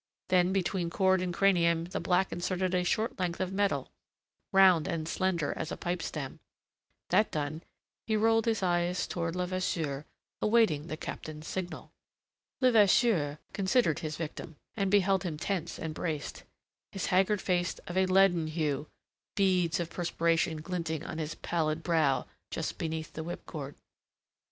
Then between cord and cranium the black inserted a short length of metal, round and slender as a pipe stem. That done he rolled his eyes towards Levasseur, awaiting the Captain's signal. Levasseur considered his victim, and beheld him tense and braced, his haggard face of a leaden hue, beads of perspiration glinting on his pallid brow just beneath the whipcord.